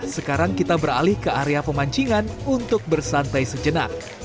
sekarang kita beralih ke area pemancingan untuk bersantai sejenak